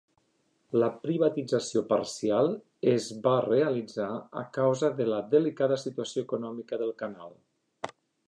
La privatització parcial es va realitzar a causa de la delicada situació econòmica del canal.